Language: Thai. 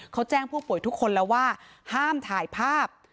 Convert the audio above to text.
เขาแจ้งผู้ป่วยทุกคนแล้วว่าห้ามถ่ายภาพ